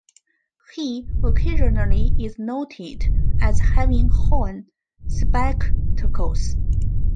He occasionally is noted as having horn spectacles.